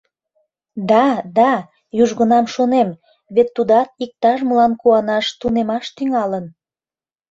Да... да южгунам шонем, вет тудат иктаж-молан куанаш тунемаш тӱҥалын.